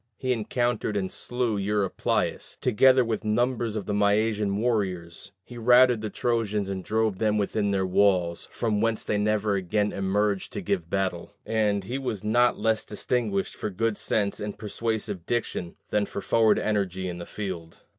He encountered and slew Eurypylus, together with numbers of the Mysian warriors: he routed the Trojans and drove them within their walls, from whence they never again emerged to give battle: and he was not less distinguished for good sense and persuasive diction than for forward energy in the field.